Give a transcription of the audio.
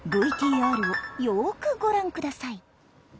ＶＴＲをよくご覧下さい。